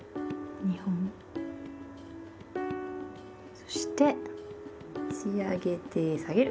そして持ち上げて下げる。